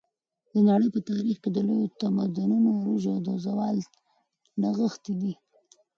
د نړۍ په تاریخ کې د لویو تمدنونو عروج او زوال نغښتی دی.